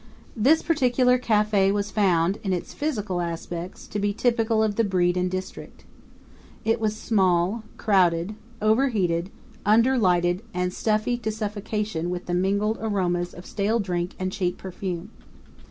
This particular cafe was found, in its physical aspects, to be typical of the breed and district. It was small, crowded, overheated, underlighted, and stuffy to suffocation with the mingled aromas of stale drink and cheap perfume.